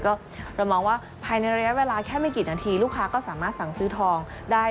ก็เรามองว่าภายในระยะเวลาแค่ไม่กี่นาทีลูกค้าก็สามารถสั่งซื้อทองได้